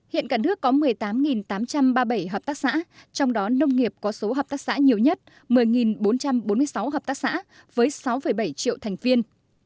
hiện cả nước có một mươi tám tám trăm ba mươi bảy hợp tác xã trong đó nông nghiệp có số hợp tác xã nhiều nhất một mươi bốn trăm bốn mươi sáu hợp tác xã với sáu bảy triệu thành viên